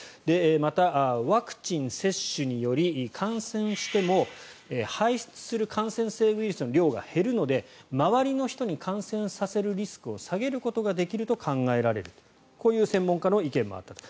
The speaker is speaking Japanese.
また、ワクチン接種により感染しても排出する感染性ウイルスの量が減るので周りの人に感染させるリスクを下げることができると考えられるこういう専門家の意見もあったと。